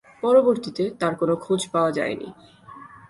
পরবর্তীতে তার কোন খোঁজ পাওয়া যায়নি।